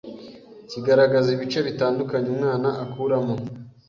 kigaragaza ibice bitandukanye umwana akuramo,